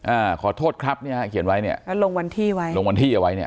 อ่าขอโทษครับเนี่ยฮะเขียนไว้เนี่ยก็ลงวันที่ไว้ลงวันที่เอาไว้เนี่ย